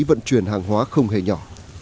vận chuyển hàng hóa không hề nhỏ